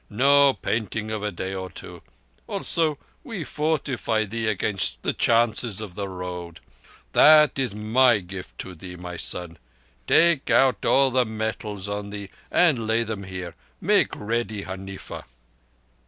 No painting of a day or two. Also, we fortify thee against the chances of the Road. That is my gift to thee, my son. Take out all metals on thee and lay them here. Make ready, Huneefa."